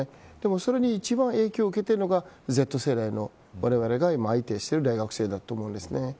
それに、一番影響を受けてるのがＺ世代のわれわれが相手をしてる大学生だと思います。